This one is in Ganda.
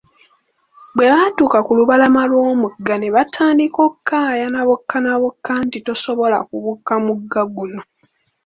Bwe baatuuka ku lubalama lw'omugga, ne batandika okukaayana bokka na bokka nti, tosobola kubuuka mugga guno!